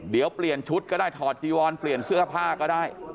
เดี๋ยวเปลี่ยนชุดก็ได้ถอดจีวอนเปลี่ยนเสื้อผ้าก็ได้